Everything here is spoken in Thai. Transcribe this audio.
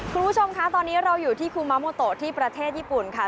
คุณผู้ชมคะตอนนี้เราอยู่ที่ครูมาโมโตที่ประเทศญี่ปุ่นค่ะ